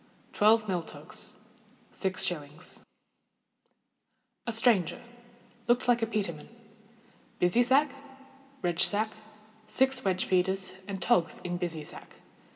_ Twelve mill togs. 6_s._ A Stranger—looked like a peterman. Busy sack, redge yack, six wedge feeders, and togs in busy sack.